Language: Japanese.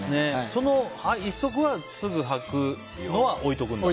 その１足はすぐ履くのは置いておくんだ。